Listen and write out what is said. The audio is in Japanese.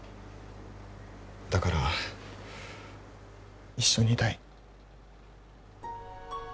だから一緒にいたい。